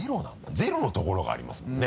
ゼロの所がありますもんね。